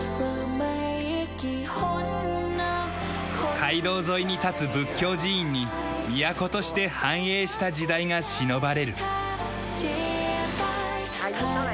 街道沿いに立つ仏教寺院に都として繁栄した時代がしのばれる。